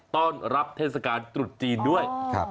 ต้อนรับเทศกาลตรุษจีนด้วย